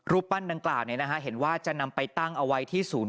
ปั้นดังกล่าวเห็นว่าจะนำไปตั้งเอาไว้ที่ศูนย์